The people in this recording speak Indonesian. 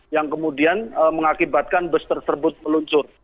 yang kemudian mengakibatkan bus tersebut meluncur